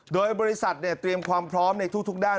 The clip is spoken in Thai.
โดยบริษัทเตรียมความพร้อมในทุกด้าน